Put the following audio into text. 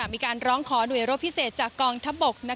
มีการร้องขอหน่วยรบพิเศษจากกองทัพบก